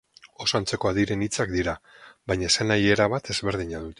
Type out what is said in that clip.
Oso antzekoak diren hitzak dira, baina esanahi erabat ezberdina dute.